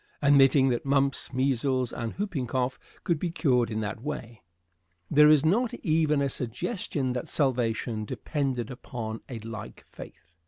Admitting that mumps, measles, and whooping cough could be cured in that way, there is not even a suggestion that salvation depended upon a like faith.